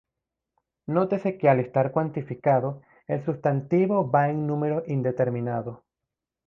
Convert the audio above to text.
Nótese que al estar cuantificado el sustantivo va en número indeterminado.